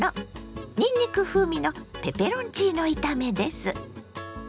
にんにく風味のペペロンチーノ炒めです。